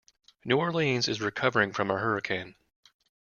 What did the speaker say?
New Orleans is recovering from a hurricane.